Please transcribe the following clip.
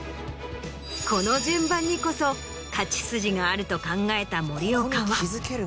この順番にこそ勝ち筋があると考えた森岡は。